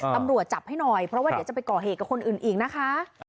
เพราะว่าเดี๋ยวจะไปก่อเหตุกับคนอื่นอีกนะคะ